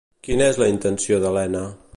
Quina és la intenció d'Elena?